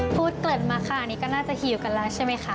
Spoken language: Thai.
เกริ่นมาค่ะอันนี้ก็น่าจะหิวกันแล้วใช่ไหมคะ